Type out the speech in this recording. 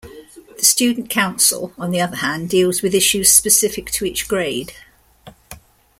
The Student Council, on the other hand, deals with issues specific to each grade.